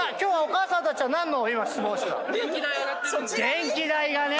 電気代がね！